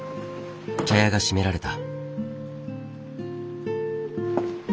茶屋が閉められた。